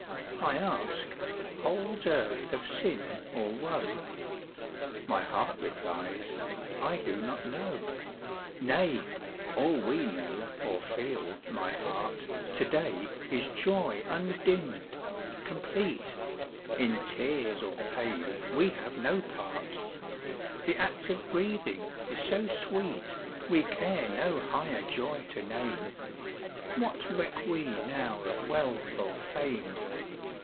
I ask, "Holds earth of sin, or woe?" My heart replies, "I do not know." Nay! all we know, or feel, my heart, To day is joy undimmed, complete; In tears or pain we have no part; The act of breathing is so sweet, We care no higher joy to name. What reck we now of wealth or fame?